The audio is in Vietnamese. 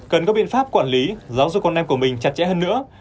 cần có biện pháp quản lý giáo dục con em của mình chặt chẽ hơn nữa